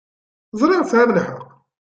Ẓṛiɣ tesɛiḍ lḥeq.